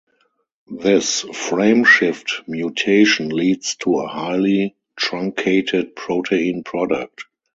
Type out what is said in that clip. This frame-shift mutation leads to a highly truncated protein product.